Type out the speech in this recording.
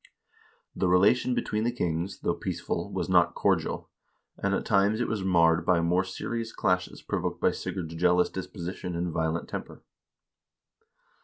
The relation between the kings, though peaceful, was not cordial, and at times it was marred by more serious clashes provoked by Sigurd's jealous disposition and violent temper.